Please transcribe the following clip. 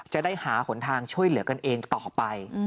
จะได้หาหนทางช่วยเหลือกันเองต่อไป